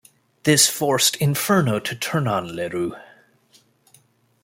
This forced Inferno to turn on LeRoux.